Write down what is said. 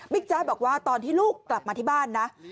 แจ๊ดบอกว่าตอนที่ลูกกลับมาที่บ้านนะ